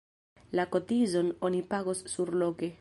La kotizon oni pagos surloke.